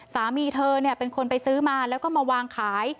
สามีเธอเป็นคนไปซื้อมาแล้วก็มาวางขาย